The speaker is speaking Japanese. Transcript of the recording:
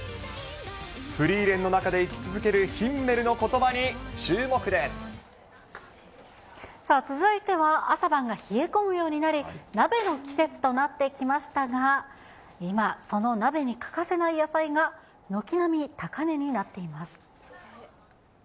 フリーレンの中で生き続ける続いては、朝晩が冷え込むようになり、鍋の季節となってきましたが、今、その鍋に欠かせない野菜が軒並み高値になっています。